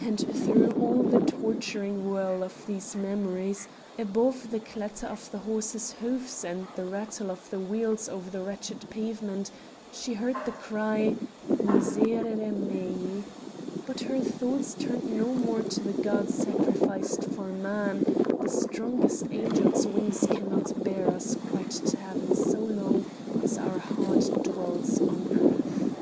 And through all the torturing whirl of these memories, above the clatter of the horses' hoofs and the rattle of the wheels over the wretched pavement, she heard the cry "miserere mei." But her thoughts turned no more to the God sacrificed for Man the strongest angels' wings cannot bear us quite to heaven so long as our heart dwells on earth.